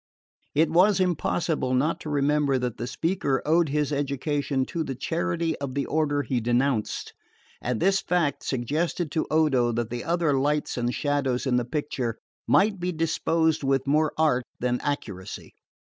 It was impossible not to remember that the speaker owed his education to the charity of the order he denounced; and this fact suggested to Odo that the other lights and shadows in the picture might be disposed with more art than accuracy.